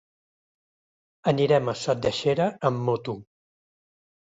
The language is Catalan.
Anirem a Sot de Xera amb moto.